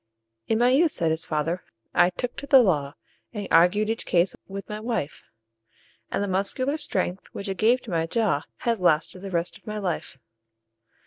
"In my youth," said his fater, "I took to the law, And argued each case with my wife; And the muscular strength, which it gave to my jaw, Has lasted the rest of my life."